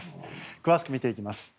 詳しく見ていきます。